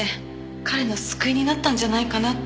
彼の救いになったんじゃないかなって。